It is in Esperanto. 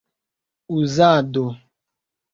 uzado